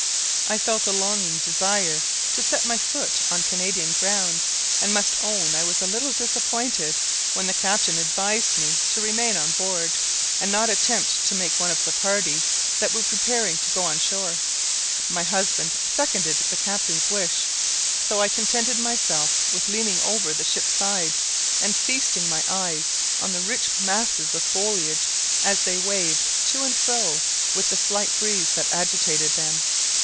I felt a longing desire to set my foot on Canadian ground, and must own I was a little disappointed when the captain advised me to remain on board, and not attempt to make one of the party that were preparing to go on shore: my husband seconded the captain's wish, so I contented myself with leaning over the ship's side and feasting my eyes on the rich masses of foliage as they waved to and fro with the slight breeze that agitated them.